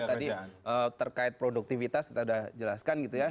tadi terkait produktivitas kita sudah jelaskan gitu ya